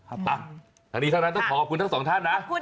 อ่ะทางนี้เท่านั้นต้องขอขอบคุณทั้งสองท่านนะ